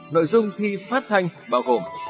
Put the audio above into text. nội dung thi phát thanh bao gồm